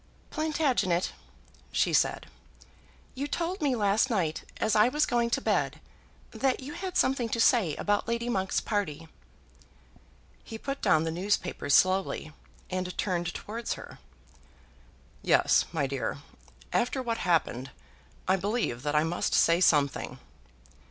"Plantagenet," she said, "you told me last night, as I was going to bed, that you had something to say about Lady Monk's party." He put down the newspaper slowly, and turned towards her. "Yes, my dear. After what happened, I believe that I must say something."